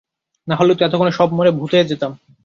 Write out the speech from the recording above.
নাহলে তো এতক্ষণে সব মরে ভূত হয়ে যেতাম।